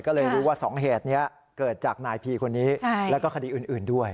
ก็เลยรู้ว่า๒เหตุนี้เกิดจากนายพีคนนี้แล้วก็คดีอื่นด้วย